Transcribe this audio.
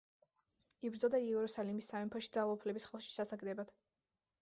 იბრძოდა იერუსალიმის სამეფოში ძალაუფლების ხელში ჩასაგდებად.